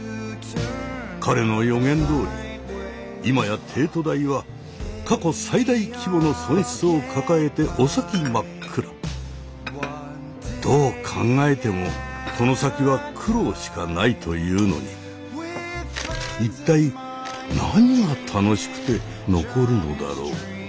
彼の予言どおり今や帝都大は過去最大規模の損失を抱えてお先真っ暗どう考えてもこの先は苦労しかないというのに一体何が楽しくて残るのだろう。